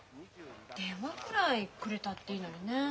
電話くらいくれたっていいのにね。